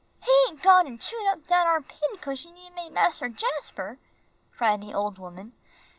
"He ain't gone an' chewed up dat ar pincushion you made Mas'r Jasper?" cried the old woman.